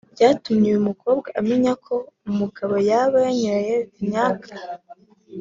byatumye uyu mukobwa amenya ko umugabo yaba yanyoye Viagra